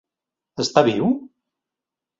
Està viu?